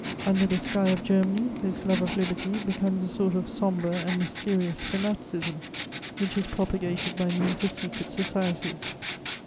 Under the sky of Germany, this love of liberty becomes a sort of sombre and mysterious fanaticism, which is propagated by means of secret societies.